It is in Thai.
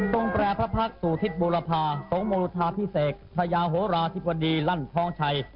ตรงแปรพระพักษ์สูทิศบูรภาตรงโมรุธาพิเศกพระยาโหราชิบวดีลั่นท้องชัย